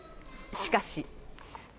しかし。